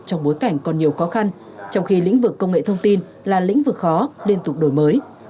trong bối cảnh còn nhiều khó khăn trong khi lĩnh vực công nghệ thông tin là lĩnh vực khó liên tục đổi mới